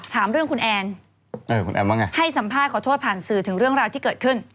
ถามเรื่องคุณแอนคุณแอนว่าไงให้สัมภาษณ์ขอโทษผ่านสื่อถึงเรื่องราวที่เกิดขึ้น